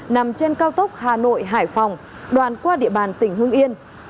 nằm trên cao tốc hà nội hải phòng đoàn qua địa bàn tỉnh hưng yên